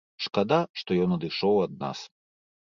Шкада, што ён адышоў ад нас.